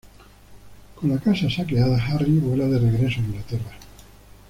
Con la casa saqueada, Harry vuela de regreso a Inglaterra.